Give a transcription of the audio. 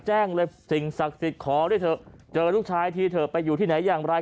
แจ้งเลยสิ่งศักดิ์สิทธิ์ขอด้วยเถอะเจอลูกชายทีเถอะไปอยู่ที่ไหนอย่างไร